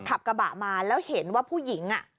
ขับกระบะมาแล้วเห็นว่าผู้หญิง